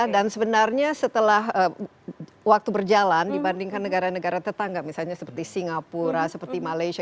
dan sebenarnya setelah waktu berjalan dibandingkan negara negara tetangga misalnya seperti singapura seperti malaysia